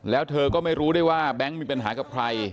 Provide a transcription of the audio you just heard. แล้วเธอก็ไม่รู้ได้ว่าแบงค์มีปัญหากับใคร